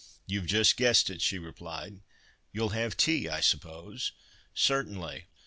"You've just guessed it," she replied. "You'll have tea, I suppose?" "Certainly.